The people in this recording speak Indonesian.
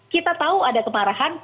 kita tahu ada kemarahan